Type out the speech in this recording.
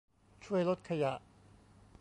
ช่วยลดขยะ